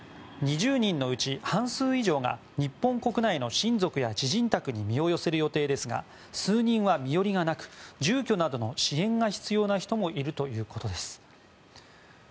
２０人のうち半数以上が日本国内の親族や知人宅に身を寄せる予定ですが数人は身寄りがなく住居などの支援が必要な人もいるということです。